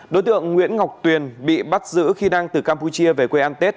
đối tượng nguyễn ngọc tuyền bị bắt giữ khi đang từ campuchia về quê ăn tết